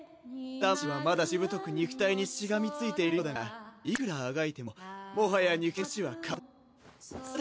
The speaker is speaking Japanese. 魂はまだしぶとく肉体にしがみついているようだがいくらあがいてももはや肉体の死は確実だ。